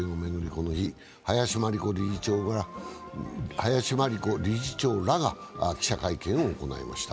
この日、林真理子理事長らが記者会見を行いました。